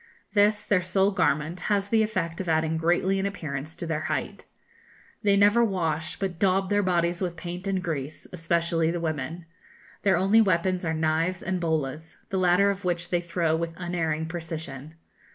This, their sole garment, has the effect of adding greatly in appearance to their height. They never wash, but daub their bodies with paint and grease, especially the women. Their only weapons are knives and bolas, the latter of which they throw with unerring precision.